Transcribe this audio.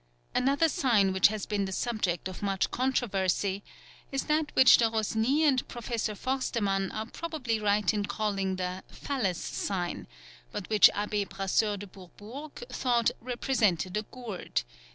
Another sign which has been the subject of much controversy is that which de Rosny and Professor Forstemann are probably right in calling the "Phallus Sign"; but which Abbé Brasseur de Bourbourg thought represented a gourd, D.